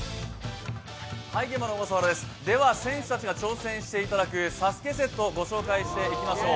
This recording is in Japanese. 選手たちが挑戦していただくＳＡＳＵＫＥセットを紹介していきましょう。